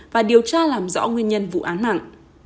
và điều tra làm rõ nguyên nhân vụ án mạng